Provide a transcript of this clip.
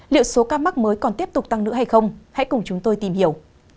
liệu số ca mắc mới còn tiếp tục tăng nữa hay không hãy cùng chúng tôi tìm hiểu